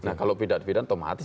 nah kalau pidana otomatis